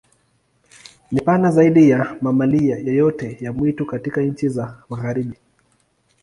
Ni pana zaidi ya mamalia yoyote ya mwitu katika nchi za Magharibi.